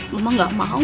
mama gak mau